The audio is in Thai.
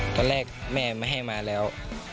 ตอนแรกแม่ไม่ให้มาแล้ว